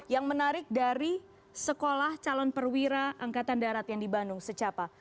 yang menarik dari sekolah calon perwira angkatan darat yang di bandung secapa